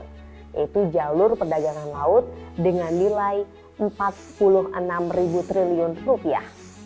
yaitu jalur perdagangan laut dengan nilai empat puluh enam triliun rupiah